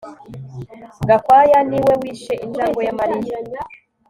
Gakwaya niwe wishe injangwe ya Mariya